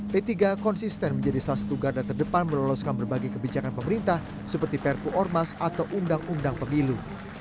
p tiga konsisten menjadi salah satu garda terdepan meloloskan berbagai kebijakan pemerintah seperti perpu ormas atau undang undang pemilu